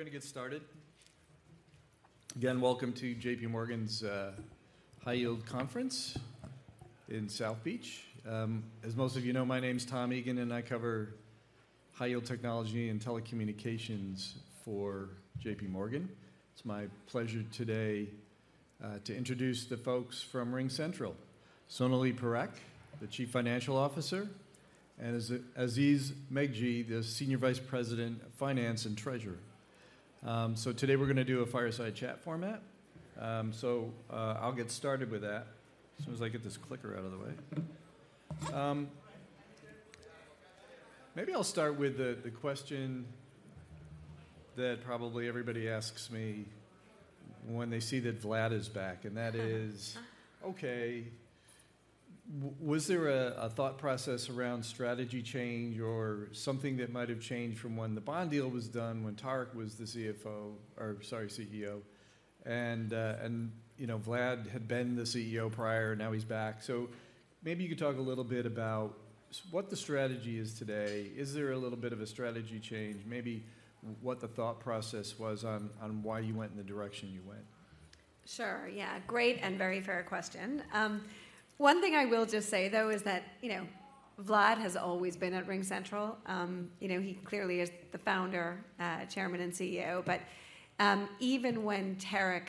All right, we're going to get started. Again, welcome to JPMorgan's high-yield conference in South Beach. As most of you know, my name is Tom Egan, and I cover high-yield technology and telecommunications for JPMorgan. It's my pleasure today to introduce the folks from RingCentral: Sonalee Parekh, the Chief Financial Officer; and Aziz Megji, the Senior Vice President of Finance and Treasurer. So today we're going to do a fireside chat format, so I'll get started with that as soon as I get this clicker out of the way. Maybe I'll start with the question that probably everybody asks me when they see that Vlad is back, and that is, "Okay, was there a thought process around strategy change or something that might have changed from when the bond deal was done, when Tarek was the CFO or, sorry, CEO, and Vlad had been the CEO prior, now he's back?" So maybe you could talk a little bit about what the strategy is today. Is there a little bit of a strategy change? Maybe what the thought process was on why you went in the direction you went. Sure, yeah. Great and very fair question. One thing I will just say, though, is that Vlad has always been at RingCentral. He clearly is the founder, chairman, and CEO. But even when Tarek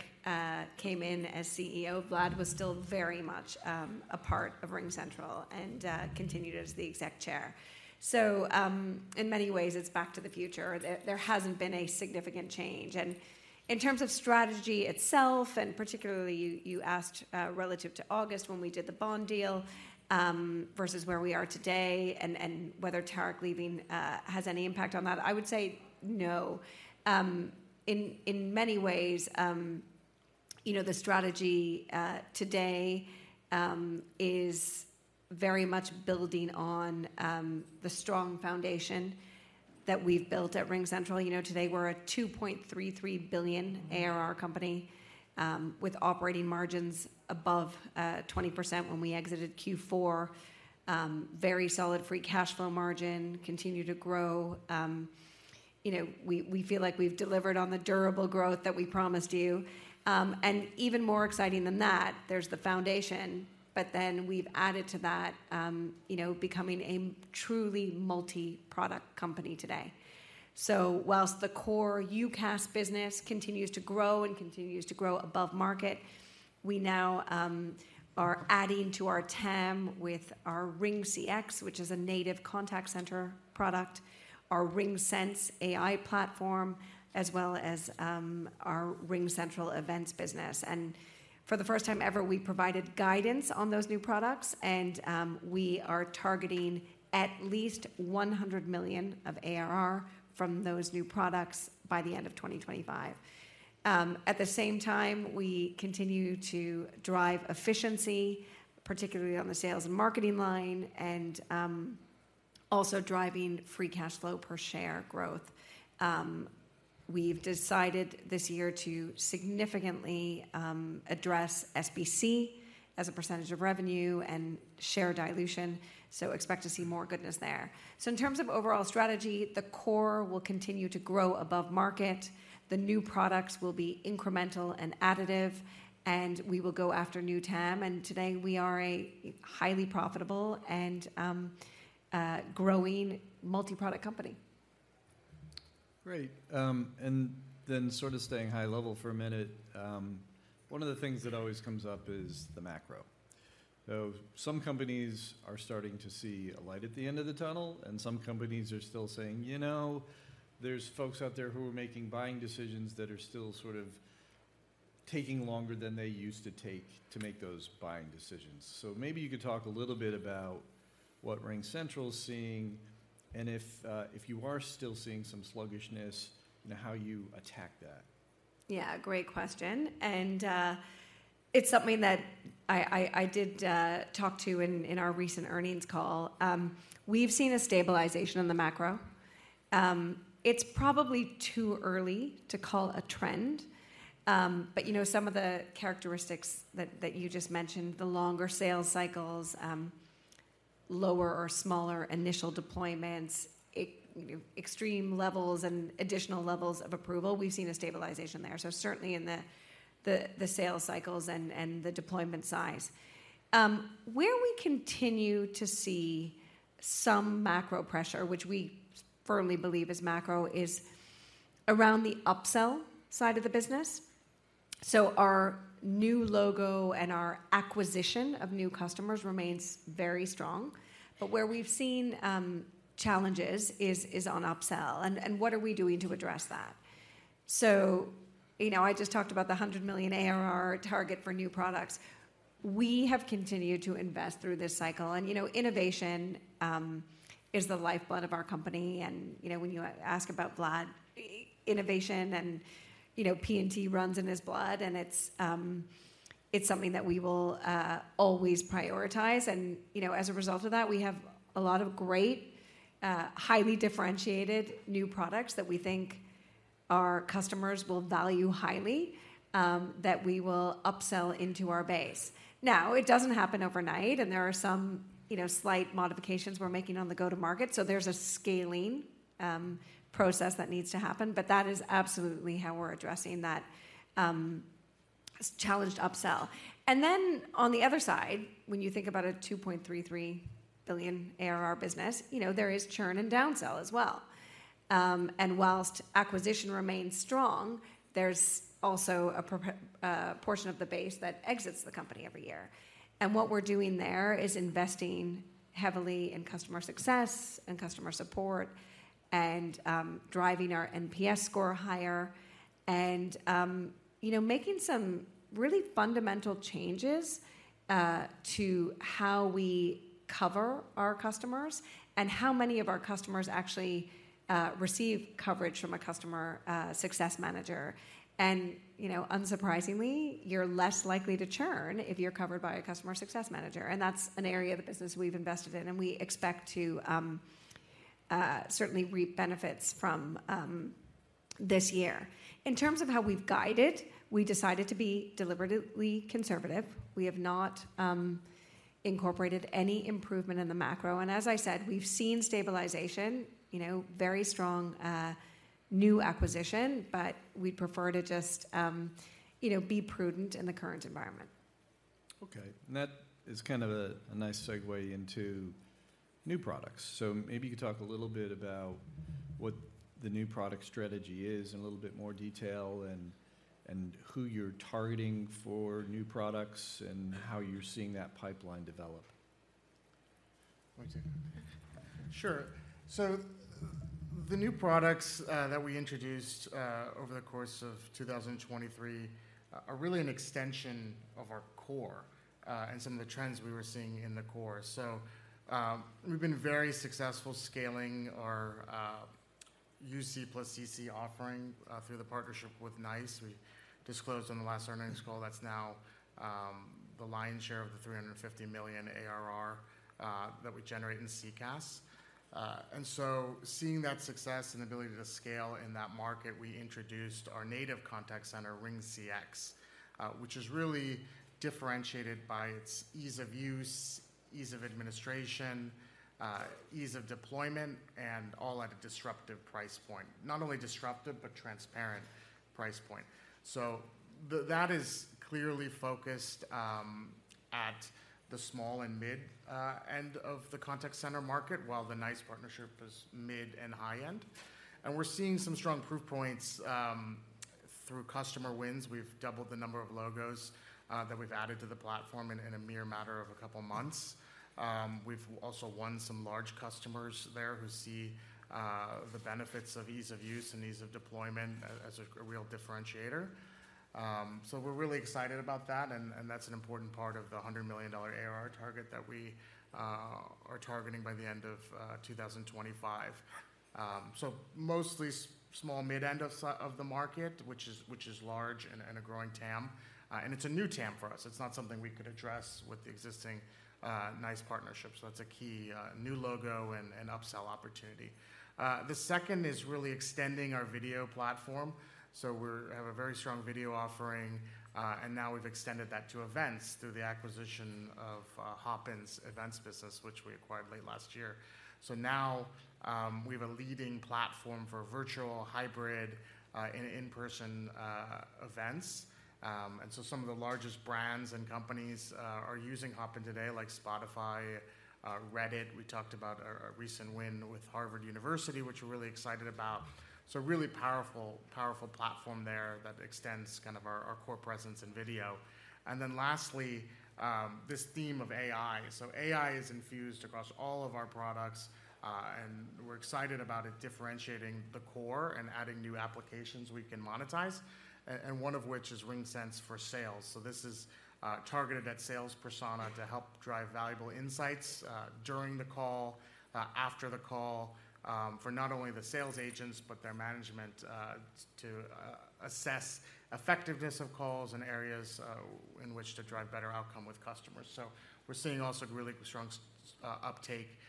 came in as CEO, Vlad was still very much a part of RingCentral and continued as the exec chair. So in many ways, it's back to the future. There hasn't been a significant change. And in terms of strategy itself, and particularly you asked relative to August when we did the bond deal versus where we are today and whether Tarek leaving has any impact on that, I would say no. In many ways, the strategy today is very much building on the strong foundation that we've built at RingCentral. Today, we're a $2.33 billion ARR company with operating margins above 20% when we exited Q4, very solid free cash flow margin, continued to grow. We feel like we've delivered on the durable growth that we promised you. Even more exciting than that, there's the foundation, but then we've added to that becoming a truly multi-product company today. While the core UCaaS business continues to grow and continues to grow above market, we now are adding to our TAM with our RingCX, which is a native contact center product, our RingSense AI platform, as well as our RingCentral Events business. For the first time ever, we provided guidance on those new products, and we are targeting at least $100 million of ARR from those new products by the end of 2025. At the same time, we continue to drive efficiency, particularly on the sales and marketing line, and also driving free cash flow per share growth. We've decided this year to significantly address SBC as a percentage of revenue and share dilution, so expect to see more goodness there. So in terms of overall strategy, the core will continue to grow above market. The new products will be incremental and additive, and we will go after new TAM. Today, we are a highly profitable and growing multi-product company. Great. And then sort of staying high level for a minute, one of the things that always comes up is the macro. So some companies are starting to see a light at the end of the tunnel, and some companies are still saying, "You know, there's folks out there who are making buying decisions that are still sort of taking longer than they used to take to make those buying decisions." So maybe you could talk a little bit about what RingCentral is seeing, and if you are still seeing some sluggishness, how you attack that. Yeah, great question. And it's something that I did talk to in our recent earnings call. We've seen a stabilization in the macro. It's probably too early to call a trend, but some of the characteristics that you just mentioned, the longer sales cycles, lower or smaller initial deployments, extreme levels and additional levels of approval, we've seen a stabilization there, so certainly in the sales cycles and the deployment size. Where we continue to see some macro pressure, which we firmly believe is macro, is around the upsell side of the business. So our new logo and our acquisition of new customers remains very strong, but where we've seen challenges is on upsell. And what are we doing to address that? So I just talked about the $100 million ARR target for new products. We have continued to invest through this cycle, and innovation is the lifeblood of our company. And when you ask about Vlad, innovation and P&T runs in his blood, and it's something that we will always prioritize. And as a result of that, we have a lot of great, highly differentiated new products that we think our customers will value highly that we will upsell into our base. Now, it doesn't happen overnight, and there are some slight modifications we're making on the go-to-market, so there's a scaling process that needs to happen, but that is absolutely how we're addressing that challenged upsell. And then on the other side, when you think about a $2.33 billion ARR business, there is churn and downsell as well. And while acquisition remains strong, there's also a portion of the base that exits the company every year. What we're doing there is investing heavily in customer success and customer support and driving our NPS score higher and making some really fundamental changes to how we cover our customers and how many of our customers actually receive coverage from a customer success manager. Unsurprisingly, you're less likely to churn if you're covered by a customer success manager, and that's an area of the business we've invested in, and we expect to certainly reap benefits from this year. In terms of how we've guided, we decided to be deliberately conservative. We have not incorporated any improvement in the macro. As I said, we've seen stabilization, very strong new acquisition, but we'd prefer to just be prudent in the current environment. Okay. And that is kind of a nice segue into new products. So maybe you could talk a little bit about what the new product strategy is in a little bit more detail and who you're targeting for new products and how you're seeing that pipeline develop. One second. Sure. So the new products that we introduced over the course of 2023 are really an extension of our core and some of the trends we were seeing in the core. So we've been very successful scaling our UC+CC offering through the partnership with NICE. We disclosed on the last earnings call that's now the lion's share of the $350 million ARR that we generate in CCaaS. And so seeing that success and the ability to scale in that market, we introduced our native contact center, RingCX, which is really differentiated by its ease of use, ease of administration, ease of deployment, and all at a disruptive price point, not only disruptive but transparent price point. So that is clearly focused at the small and mid end of the contact center market, while the NICE partnership is mid and high end. We're seeing some strong proof points through customer wins. We've doubled the number of logos that we've added to the platform in a mere matter of a couple of months. We've also won some large customers there who see the benefits of ease of use and ease of deployment as a real differentiator. We're really excited about that, and that's an important part of the $100 million ARR target that we are targeting by the end of 2025. Mostly small mid end of the market, which is large and a growing TAM. It's a new TAM for us. It's not something we could address with the existing NICE partnership. That's a key new logo and upsell opportunity. The second is really extending our video platform. So we have a very strong video offering, and now we've extended that to events through the acquisition of Hopin Events business, which we acquired late last year. So now we have a leading platform for virtual, hybrid, and in-person events. And so some of the largest brands and companies are using Hopin today, like Spotify, Reddit. We talked about a recent win with Harvard University, which we're really excited about. So a really powerful platform there that extends kind of our core presence in video. And then lastly, this theme of AI. So AI is infused across all of our products, and we're excited about it differentiating the core and adding new applications we can monetize, and one of which is RingSense for Sales. So this is targeted at sales persona to help drive valuable insights during the call, after the call, for not only the sales agents but their management to assess effectiveness of calls and areas in which to drive better outcome with customers. So we're seeing also really strong uptake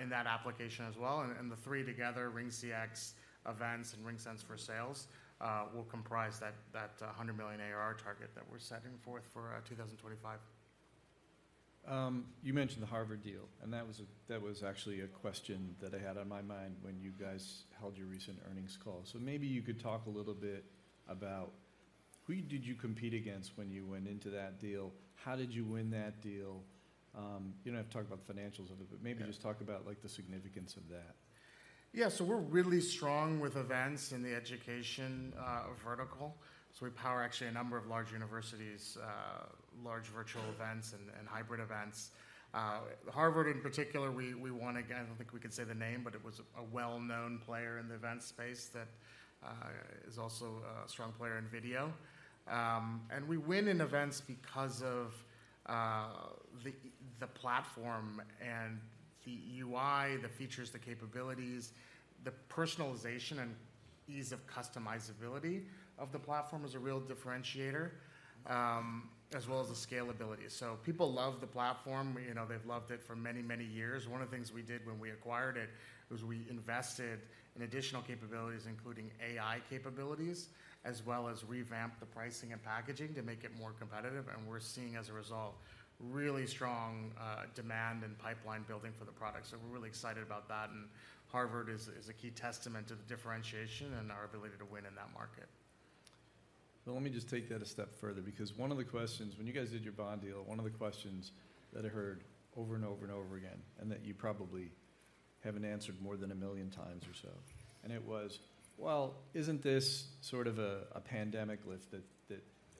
in that application as well. And the three together, RingCX, Events, and RingSense for Sales, will comprise that $100 million ARR target that we're setting forth for 2025. You mentioned the Harvard deal, and that was actually a question that I had on my mind when you guys held your recent earnings call. So maybe you could talk a little bit about who did you compete against when you went into that deal? How did you win that deal? You don't have to talk about the financials of it, but maybe just talk about the significance of that. Yeah. So we're really strong with events in the education vertical. So we power actually a number of large universities, large virtual events, and hybrid events. Harvard, in particular, we want to. I don't think we can say the name, but it was a well-known player in the events space that is also a strong player in video. And we win in events because of the platform and the UI, the features, the capabilities. The personalization and ease of customizability of the platform is a real differentiator, as well as the scalability. So people love the platform. They've loved it for many, many years. One of the things we did when we acquired it was we invested in additional capabilities, including AI capabilities, as well as revamped the pricing and packaging to make it more competitive. And we're seeing, as a result, really strong demand and pipeline building for the product. So we're really excited about that, and Harvard is a key testament to the differentiation and our ability to win in that market. Well, let me just take that a step further because one of the questions when you guys did your bond deal, one of the questions that I heard over and over and over again and that you probably haven't answered more than a million times or so, and it was, "Well, isn't this sort of a pandemic lift that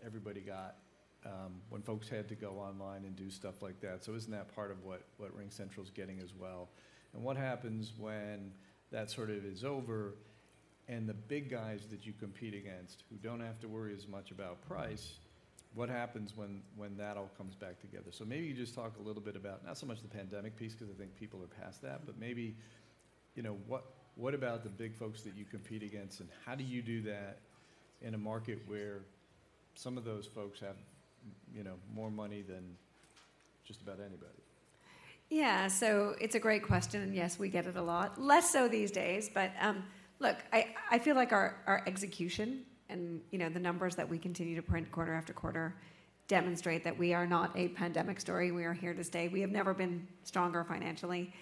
everybody got when folks had to go online and do stuff like that? So isn't that part of what RingCentral is getting as well? And what happens when that sort of is over and the big guys that you compete against who don't have to worry as much about price? What happens when that all comes back together?" So maybe you just talk a little bit about not so much the pandemic piece because I think people are past that, but maybe what about the big folks that you compete against, and how do you do that in a market where some of those folks have more money than just about anybody? Yeah. So it's a great question, and yes, we get it a lot, less so these days. But look, I feel like our execution and the numbers that we continue to print quarter after quarter demonstrate that we are not a pandemic story. We are here to stay. We have never been stronger financially.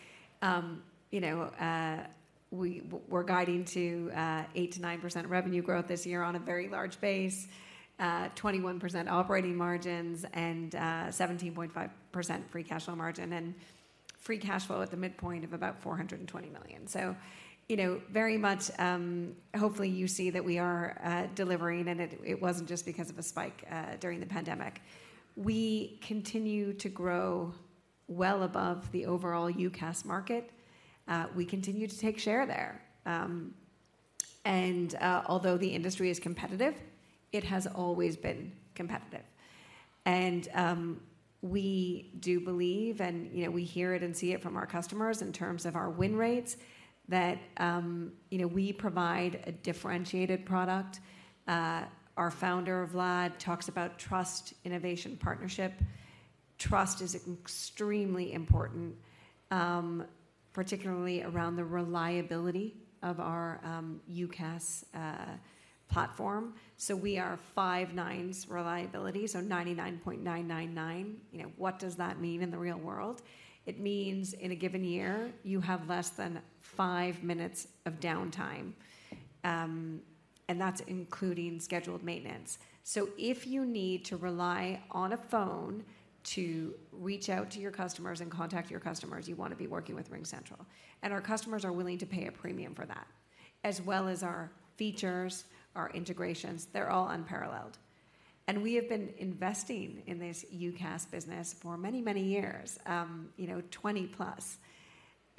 We're guiding to 8%-9% revenue growth this year on a very large base, 21% operating margins, and 17.5% free cash flow margin, and free cash flow at the midpoint of about $420 million. So very much hopefully, you see that we are delivering, and it wasn't just because of a spike during the pandemic. We continue to grow well above the overall UCaaS market. We continue to take share there. And although the industry is competitive, it has always been competitive. We do believe, and we hear it and see it from our customers in terms of our win rates that we provide a differentiated product. Our founder, Vlad, talks about trust innovation partnership. Trust is extremely important, particularly around the reliability of our UCaaS platform. So we are five nines reliability, so 99.999%. What does that mean in the real world? It means in a given year, you have less than five minutes of downtime, and that's including scheduled maintenance. So if you need to rely on a phone to reach out to your customers and contact your customers, you want to be working with RingCentral. Our customers are willing to pay a premium for that, as well as our features, our integrations. They're all unparalleled. We have been investing in this UCaaS business for many, many years,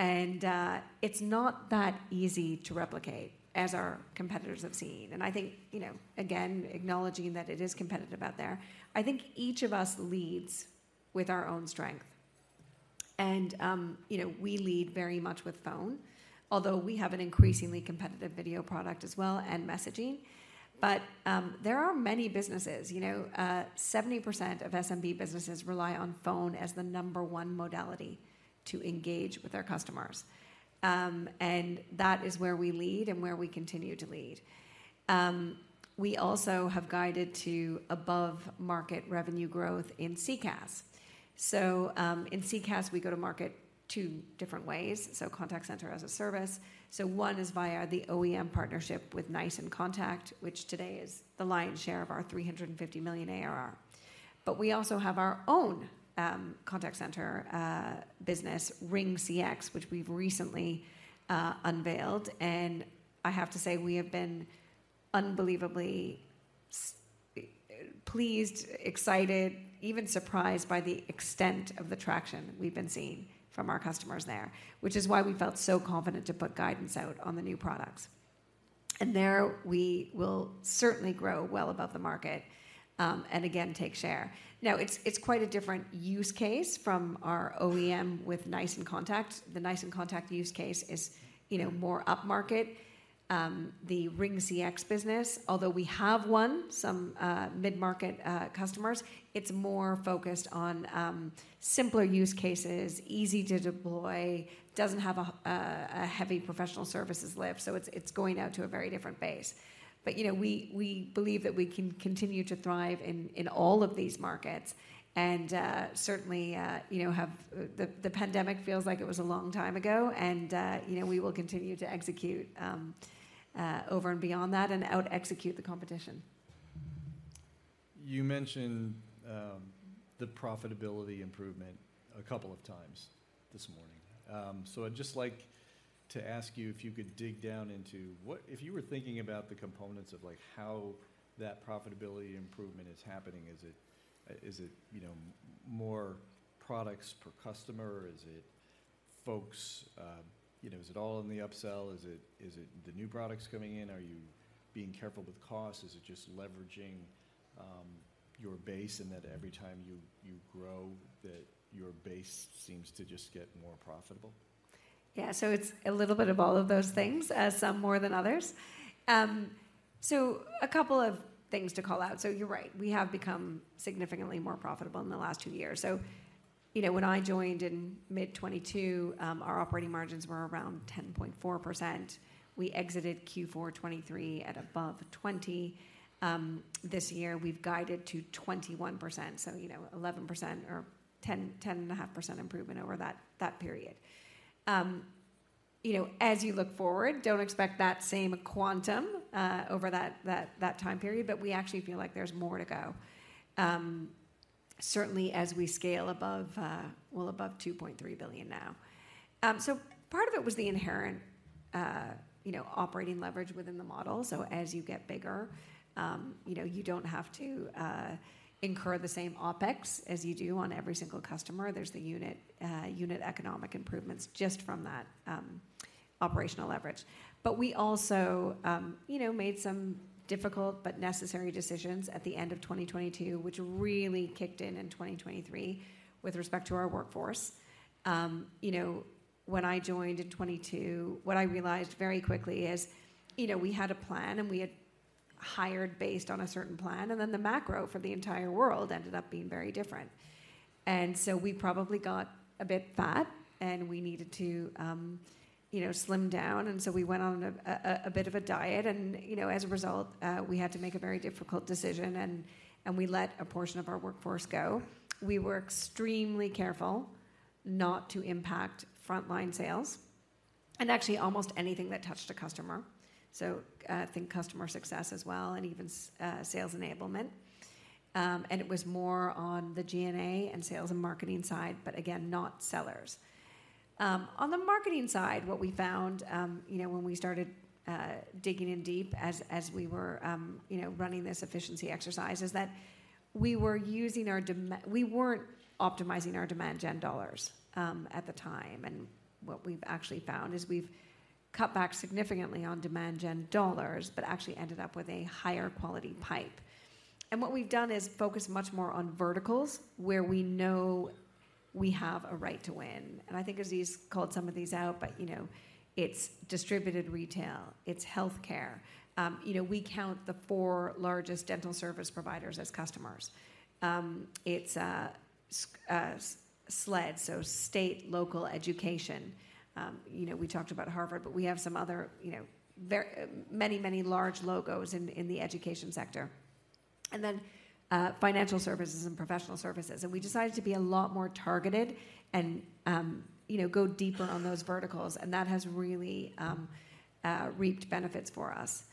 20+. It's not that easy to replicate, as our competitors have seen. I think, again, acknowledging that it is competitive out there, I think each of us leads with our own strength. We lead very much with phone, although we have an increasingly competitive video product as well and messaging. But there are many businesses. 70% of SMB businesses rely on phone as the number one modality to engage with their customers. That is where we lead and where we continue to lead. We also have guided to above-market revenue growth in CCaaS. In CCaaS, we go to market two different ways, so contact center as a service. One is via the OEM partnership with NICE inContact, which today is the lion's share of our $350 million ARR. But we also have our own contact center business, RingCX, which we've recently unveiled. I have to say, we have been unbelievably pleased, excited, even surprised by the extent of the traction we've been seeing from our customers there, which is why we felt so confident to put guidance out on the new products. There, we will certainly grow well above the market and, again, take share. Now, it's quite a different use case from our OEM with NICE inContact. The NICE inContact use case is more upmarket. The RingCX business, although we have won some mid-market customers, it's more focused on simpler use cases, easy to deploy, doesn't have a heavy professional services lift. It's going out to a very different base. We believe that we can continue to thrive in all of these markets and certainly the pandemic feels like it was a long time ago, and we will continue to execute over and beyond that and out-execute the competition. You mentioned the profitability improvement a couple of times this morning. So I'd just like to ask you if you could dig down into what, if you were thinking about the components of how that profitability improvement is happening, is it more products per customer? Is it folks? Is it all in the upsell? Is it the new products coming in? Are you being careful with costs? Is it just leveraging your base in that every time you grow, that your base seems to just get more profitable? Yeah. So it's a little bit of all of those things, some more than others. So a couple of things to call out. So you're right. We have become significantly more profitable in the last two years. So when I joined in mid-2022, our operating margins were around 10.4%. We exited Q4 2023 at above 20%. This year, we've guided to 21%, so 11% or 10.5% improvement over that period. As you look forward, don't expect that same quantum over that time period, but we actually feel like there's more to go, certainly as we scale above well, above $2.3 billion now. So part of it was the inherent operating leverage within the model. So as you get bigger, you don't have to incur the same OpEx as you do on every single customer. There's the unit economic improvements just from that operational leverage. But we also made some difficult but necessary decisions at the end of 2022, which really kicked in in 2023 with respect to our workforce. When I joined in 2022, what I realized very quickly is we had a plan, and we had hired based on a certain plan, and then the macro for the entire world ended up being very different. And so we probably got a bit fat, and we needed to slim down. And so we went on a bit of a diet, and as a result, we had to make a very difficult decision, and we let a portion of our workforce go. We were extremely careful not to impact frontline sales and actually almost anything that touched a customer. So think customer success as well and even sales enablement. And it was more on the G&A and sales and marketing side, but again, not sellers. On the marketing side, what we found when we started digging in deep as we were running this efficiency exercise is that we weren't optimizing our demand gen dollars at the time. And what we've actually found is we've cut back significantly on demand gen dollars but actually ended up with a higher quality pipe. And what we've done is focus much more on verticals where we know we have a right to win. And I think Aziz called some of these out, but it's distributed retail. It's healthcare. We count the four largest dental service providers as customers. It's SLED, so state, local, education. We talked about Harvard, but we have some other many, many large logos in the education sector and then financial services and professional services. And we decided to be a lot more targeted and go deeper on those verticals, and that has really reaped benefits for us.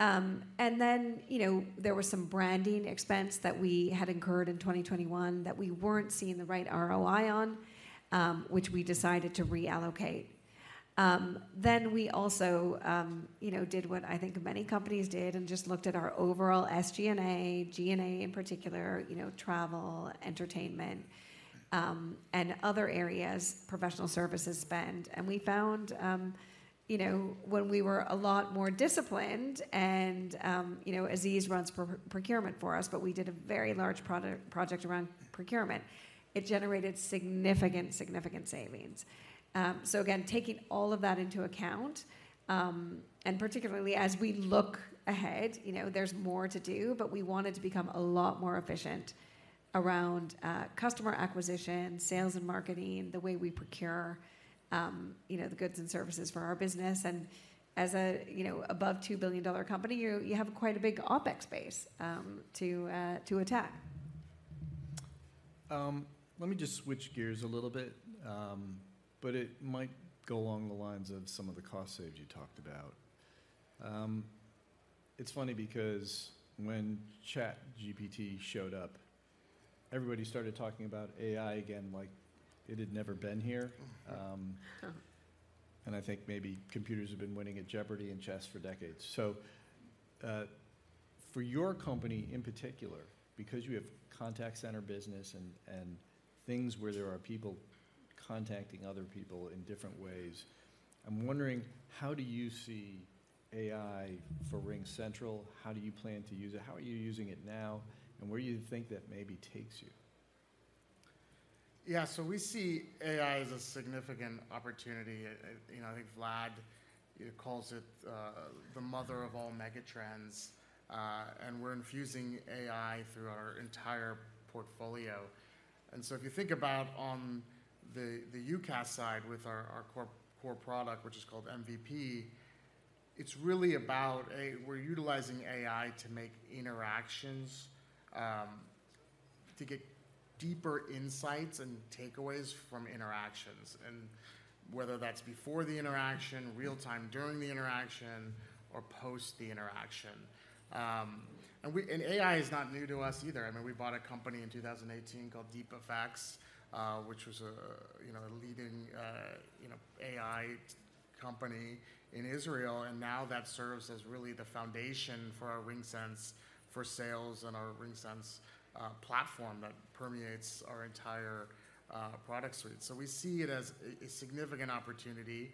And then there were some branding expense that we had incurred in 2021 that we weren't seeing the right ROI on, which we decided to reallocate. Then we also did what I think many companies did and just looked at our overall SG&A, G&A in particular, travel, entertainment, and other areas, professional services spend. And we found when we were a lot more disciplined and Aziz runs procurement for us, but we did a very large project around procurement, it generated significant, significant savings. So again, taking all of that into account and particularly as we look ahead, there's more to do, but we wanted to become a lot more efficient around customer acquisition, sales and marketing, the way we procure the goods and services for our business. As an above $2 billion company, you have quite a big OpEx base to attack. Let me just switch gears a little bit, but it might go along the lines of some of the cost saves you talked about. It's funny because when ChatGPT showed up, everybody started talking about AI again like it had never been here. I think maybe computers have been winning at Jeopardy and chess for decades. So for your company in particular, because you have contact center business and things where there are people contacting other people in different ways, I'm wondering, how do you see AI for RingCentral? How do you plan to use it? How are you using it now, and where do you think that maybe takes you? Yeah. So we see AI as a significant opportunity. I think Vlad calls it the mother of all megatrends, and we're infusing AI through our entire portfolio. So if you think about on the UCaaS side with our core product, which is called MVP, it's really about we're utilizing AI to make interactions to get deeper insights and takeaways from interactions, and whether that's before the interaction, real-time during the interaction, or post the interaction. And AI is not new to us either. I mean, we bought a company in 2018 called DeepAffects, which was a leading AI company in Israel. And now that serves as really the foundation for our RingSense for sales and our RingSense platform that permeates our entire product suite. So we see it as a significant opportunity.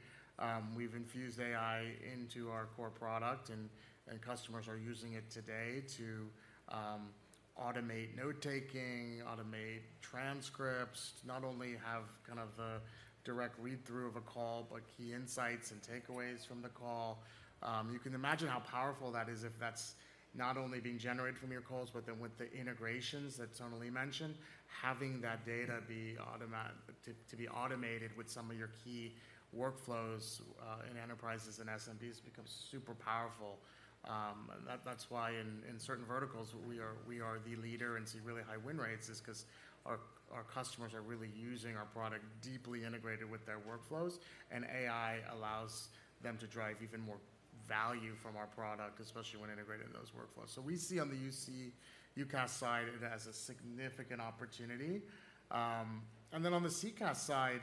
We've infused AI into our core product, and customers are using it today to automate note-taking, automate transcripts, not only have kind of the direct read-through of a call but key insights and takeaways from the call. You can imagine how powerful that is if that's not only being generated from your calls but then with the integrations that Sonalee mentioned, having that data be automated with some of your key workflows in enterprises and SMBs becomes super powerful. And that's why in certain verticals, we are the leader and see really high win rates is because our customers are really using our product deeply integrated with their workflows, and AI allows them to drive even more value from our product, especially when integrated in those workflows. So we see on the UCaaS side as a significant opportunity. And then on the CCaaS side,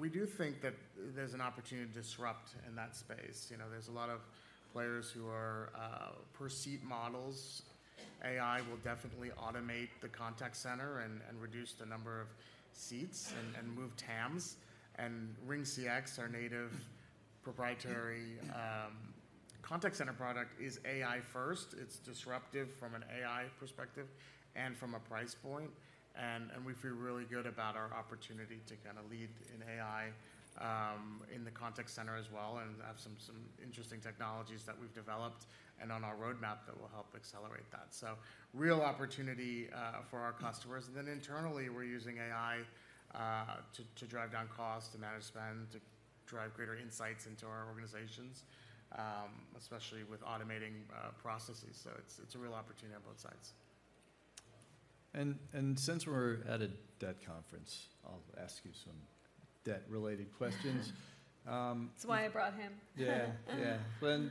we do think that there's an opportunity to disrupt in that space. There's a lot of players who are per-seat models. AI will definitely automate the contact center and reduce the number of seats and move TAMs. And RingCX, our native proprietary contact center product, is AI-first. It's disruptive from an AI perspective and from a price point. And we feel really good about our opportunity to kind of lead in AI in the contact center as well and have some interesting technologies that we've developed and on our roadmap that will help accelerate that. So real opportunity for our customers. And then internally, we're using AI to drive down cost, to manage spend, to drive greater insights into our organizations, especially with automating processes. So it's a real opportunity on both sides. Since we're at a debt conference, I'll ask you some debt-related questions. It's why I brought him. Yeah. Yeah. Well, and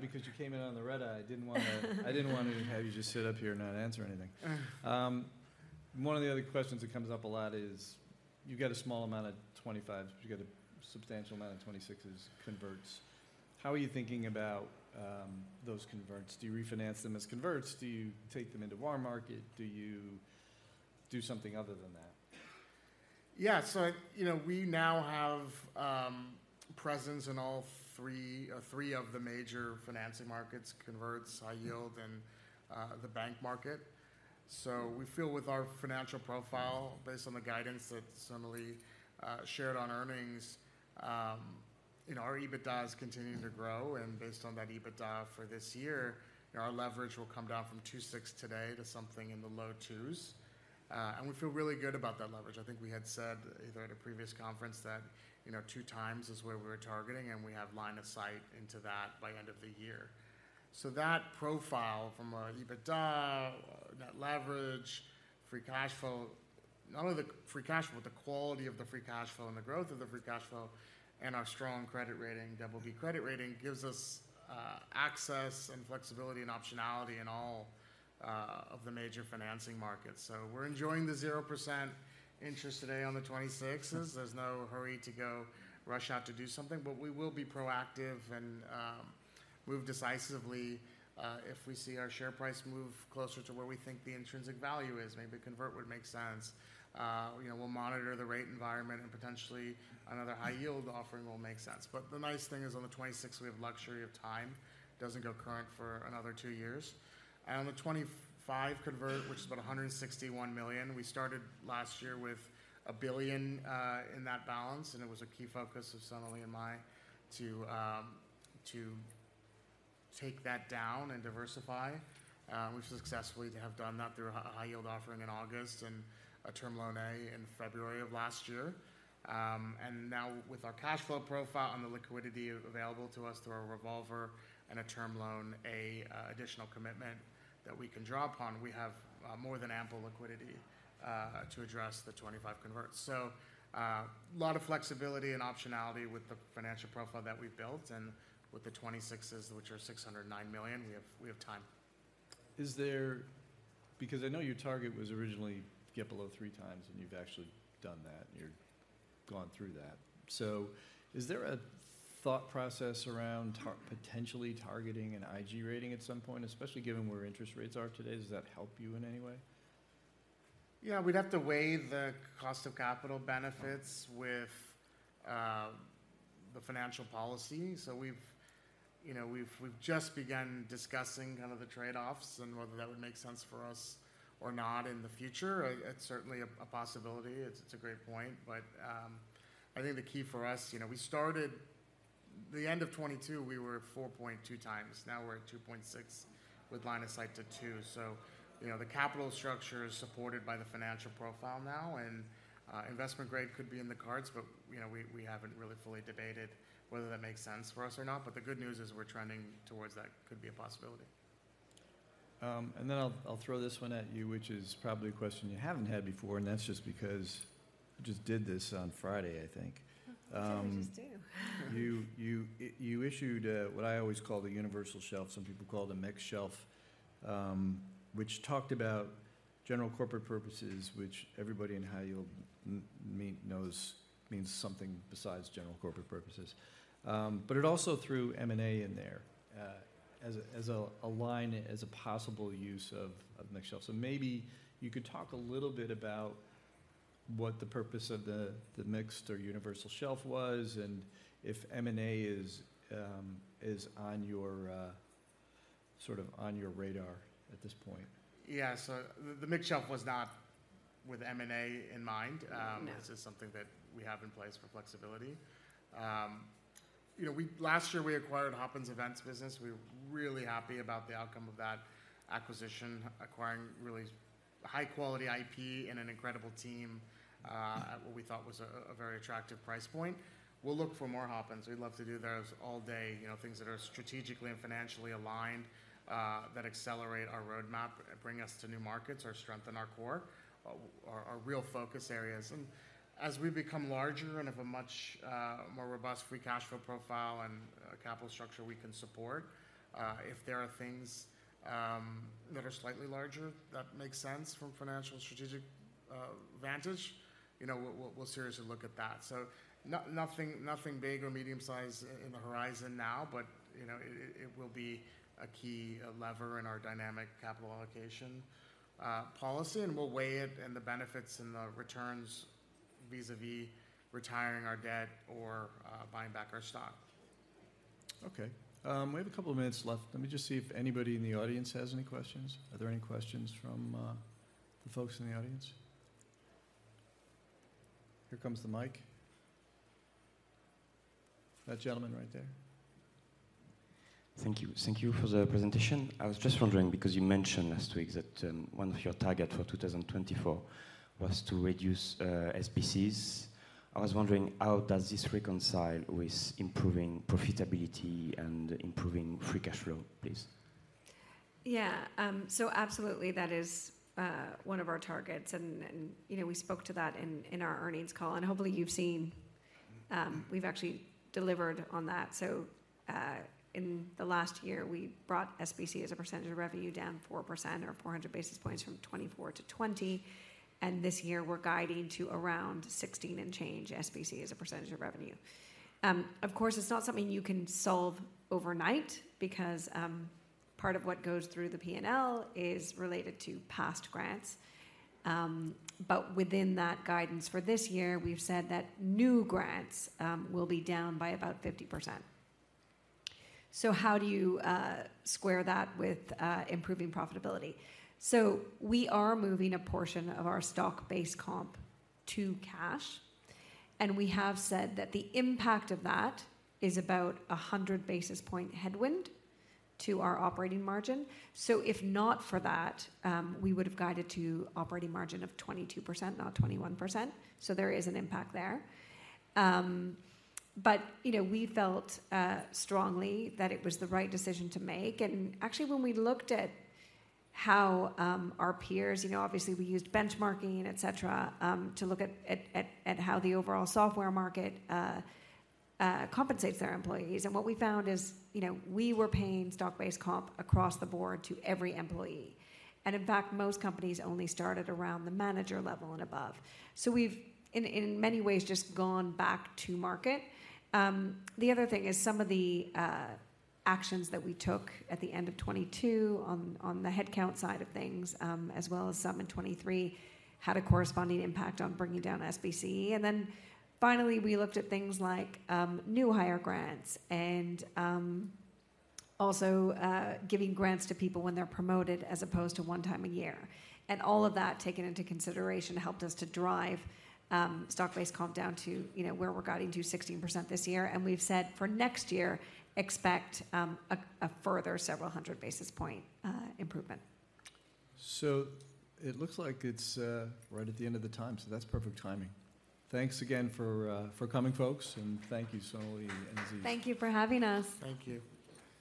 because you came in on the red eye, I didn't want to have you just sit up here and not answer anything. One of the other questions that comes up a lot is, you've got a small amount of 2025. You've got a substantial amount of 2026, converts. How are you thinking about those converts? Do you refinance them as converts? Do you take them into warm market? Do you do something other than that? Yeah. So we now have presence in all three of the major financing markets, converts, high yield, and the bank market. So we feel with our financial profile, based on the guidance that Sonalee shared on earnings, our EBITDA is continuing to grow. And based on that EBITDA for this year, our leverage will come down from 2.6 today to something in the low twos. And we feel really good about that leverage. I think we had said either at a previous conference that 2x is where we were targeting, and we have line of sight into that by end of the year. So that profile from our EBITDA, net leverage, free cash flow—not only the free cash flow but the quality of the free cash flow and the growth of the free cash flow—and our strong credit rating, double B credit rating, gives us access and flexibility and optionality in all of the major financing markets. So we're enjoying the 0% interest today on the 2026. There's no hurry to go rush out to do something, but we will be proactive and move decisively if we see our share price move closer to where we think the intrinsic value is. Maybe a convert would make sense. We'll monitor the rate environment, and potentially another high-yield offering will make sense. But the nice thing is, on the 2026, we have luxury of time. It doesn't go current for another two years. On the 2025 convert, which is about $161 million, we started last year with $1 billion in that balance, and it was a key focus of Sonalee and mine to take that down and diversify. We've successfully have done that through a high-yield offering in August and a Term Loan A in February of last year. And now with our cash flow profile and the liquidity available to us through our revolver and a term loan, an additional commitment that we can draw upon, we have more than ample liquidity to address the 2025 converts. So a lot of flexibility and optionality with the financial profile that we've built. With the 2026, which are $609 million, we have time. Is there, because I know your target was originally get below 3 times, and you've actually done that, and you're gone through that. So is there a thought process around potentially targeting an IG rating at some point, especially given where interest rates are today? Does that help you in any way? Yeah. We'd have to weigh the cost of capital benefits with the financial policy. So we've just begun discussing kind of the trade-offs and whether that would make sense for us or not in the future. It's certainly a possibility. It's a great point. But I think the key for us we started the end of 2022, we were at 4.2x. Now we're at 2.6 with line of sight to two. So the capital structure is supported by the financial profile now, and investment grade could be in the cards, but we haven't really fully debated whether that makes sense for us or not. But the good news is we're trending towards that. It could be a possibility. And then I'll throw this one at you, which is probably a question you haven't had before, and that's just because I just did this on Friday, I think. I think we just do. You issued what I always call the universal shelf. Some people call it a mixed shelf, which talked about general corporate purposes, which everybody in high yield means something besides general corporate purposes. But it also threw M&A in there as a possible use of mixed shelf. So maybe you could talk a little bit about what the purpose of the mixed or universal shelf was and if M&A is sort of on your radar at this point. Yeah. So the mixed shelf was not with M&A in mind. This is something that we have in place for flexibility. Last year, we acquired Hopin Events business. We were really happy about the outcome of that acquisition, acquiring really high-quality IP and an incredible team at what we thought was a very attractive price point. We'll look for more Hopin. We'd love to do those all day, things that are strategically and financially aligned that accelerate our roadmap, bring us to new markets, or strengthen our core, our real focus areas. And as we become larger and have a much more robust free cash flow profile and capital structure we can support, if there are things that are slightly larger that make sense from financial strategic vantage, we'll seriously look at that. So nothing big or medium-sized in the horizon now, but it will be a key lever in our dynamic capital allocation policy. And we'll weigh it and the benefits and the returns vis-à-vis retiring our debt or buying back our stock. Okay. We have a couple of minutes left. Let me just see if anybody in the audience has any questions. Are there any questions from the folks in the audience? Here comes the mic. That gentleman right there. Thank you. Thank you for the presentation. I was just wondering because you mentioned last week that one of your targets for 2024 was to reduce SBCs. I was wondering, how does this reconcile with improving profitability and improving free cash flow, please? Yeah. So absolutely, that is one of our targets. And we spoke to that in our earnings call, and hopefully, you've seen we've actually delivered on that. So in the last year, we brought SBC as a percentage of revenue down 4% or 400 basis points from 2024 to 2020. And this year, we're guiding to around 16 and change SBC as a percentage of revenue. Of course, it's not something you can solve overnight because part of what goes through the P&L is related to past grants. But within that guidance for this year, we've said that new grants will be down by about 50%. So how do you square that with improving profitability? So we are moving a portion of our stock-based comp to cash, and we have said that the impact of that is about 100 basis point headwind to our operating margin. So if not for that, we would have guided to an operating margin of 22%, not 21%. So there is an impact there. But we felt strongly that it was the right decision to make. And actually, when we looked at how our peers obviously, we used benchmarking, etc., to look at how the overall software market compensates their employees. And what we found is we were paying stock-based comp across the board to every employee. And in fact, most companies only started around the manager level and above. So we've, in many ways, just gone back to market. The other thing is some of the actions that we took at the end of 2022 on the headcount side of things, as well as some in 2023, had a corresponding impact on bringing down SBC. And then finally, we looked at things like new hire grants and also giving grants to people when they're promoted as opposed to one time a year. And all of that, taken into consideration, helped us to drive stock-based comp down to where we're guiding to 16% this year. And we've said, for next year, expect a further several hundred basis point improvement. It looks like it's right at the end of the time. That's perfect timing. Thanks again for coming, folks, and thank you, Sonalee and Aziz. Thank you for having us. Thank you.